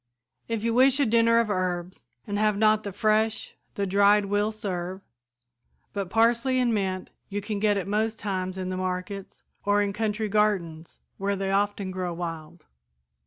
If you wish a dinner of herbs and have not the fresh, the dried will serve, but parsley and mint you can get at most times in the markets, or in country gardens, where they often grow wild.